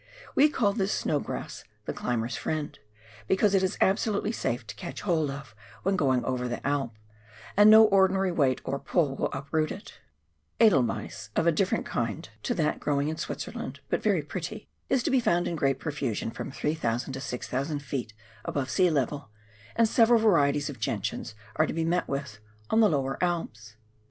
"We call this snow grass the " climbers' friend," because it is absolutely safe to catch hold of, when going over the Alp, and no ordinary weight or pull will uproot it. " Edelweiss " of a different kind to that growing in 266 PIONEER WORK IN THE ALPS OF NEW ZEALAND. Switzerland, but very pretty, is to be found in great profusion from 3,000 to 6,000 ft. above sea level, and several varieties of gentians are to be met witb on the lower Alps.